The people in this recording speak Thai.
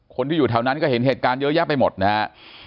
คนที่อยู่แถวนั้นก็เห็นเหตุการณ์เยอะแยะไปหมดนะฮะ